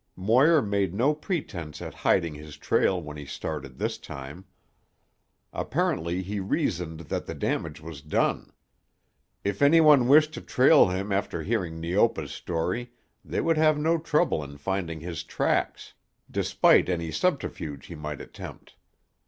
Moir made no pretence at hiding his trail when he started this time. Apparently he reasoned that the damage was done. If any one wished to trail him after hearing Neopa's story they would have no trouble in finding his tracks, despite any subterfuge he might attempt.